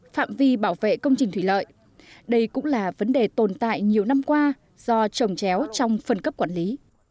phạm vi bảo vệ công trình thủy lợi đây cũng là vấn đề tồn tại nhiều năm qua do trồng chéo trong phân cấp quản lý